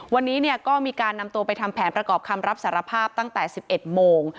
วันนี้ก็มีการนำตัวไปทำแผนประกอบคำรับสารภาพตั้งแต่๑๑โมง